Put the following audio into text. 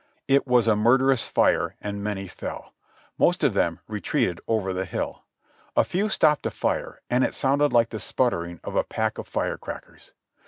It was a murderous fire and many fell : most of them retreated over the hill: a few stopped to fire, and it sounded like the sputtering of a pack of firecrackers.